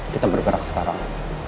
kita bergerak sekarang